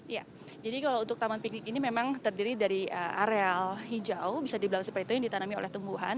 ya jadi kalau untuk taman piknik ini memang terdiri dari areal hijau bisa dibilang seperti itu yang ditanami oleh tumbuhan